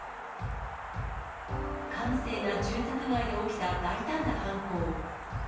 閑静な住宅街で起きた大胆な犯行。